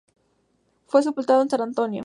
Fue sepultado en San Antonio.